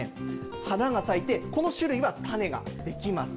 花が咲いて、この種類は種ができます。